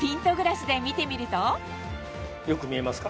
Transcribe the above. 次によく見えますか？